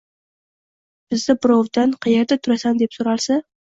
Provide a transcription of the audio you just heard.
Bizda birovdan: «Qayerda turasan?» — deb so‘ralsa